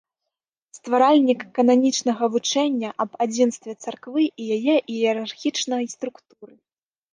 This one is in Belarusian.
Стваральнік кананічнага вучэння аб адзінстве царквы і яе іерархічнай структуры.